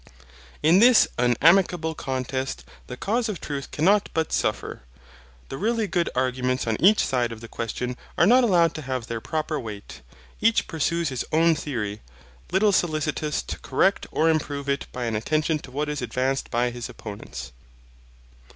In this unamicable contest the cause of truth cannot but suffer. The really good arguments on each side of the question are not allowed to have their proper weight. Each pursues his own theory, little solicitous to correct or improve it by an attention to what is advanced by his opponents.